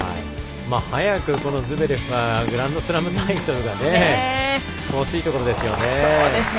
早くズベレフはグランドスラムタイトルが欲しいところですよね。